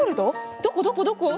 どこどこどこ？